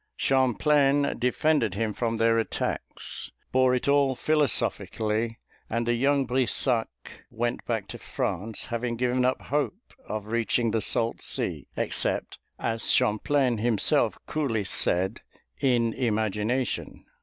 Champlain defended him from their attacks, bore it all philosophically, and the young Brissac went back to France, having given up hope of reaching the salt sea, except, as Champlain himself coolly said, "in imagination."